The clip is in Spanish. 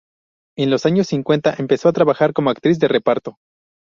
En los años cincuenta empezó a trabajar como actriz de reparto.